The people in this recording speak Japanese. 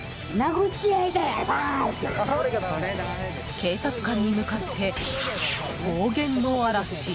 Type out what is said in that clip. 警察官に向かって暴言の嵐。